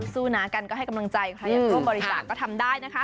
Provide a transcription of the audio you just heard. สู้นะกันก็ให้กำลังใจใครอยากร่วมบริจาคก็ทำได้นะคะ